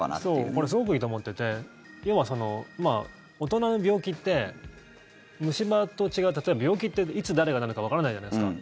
これすごくいいと思ってて要は大人の病気って虫歯と違う例えば病気っていつ誰がなるかわからないじゃないですか。